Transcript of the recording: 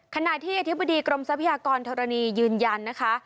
ขณะที่อธิบดีกรมทรัพยากรธรณียืนยันนะคะ